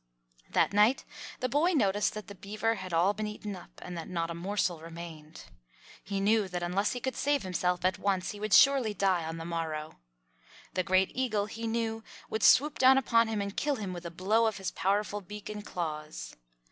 That night the boy noticed that the beaver had all been eaten up and that not a morsel remained. He knew that unless he could save himself at once he would surely die on the morrow. The Great Eagle, he knew, would swoop down upon him and kill him with a blow of his powerful beak and claws.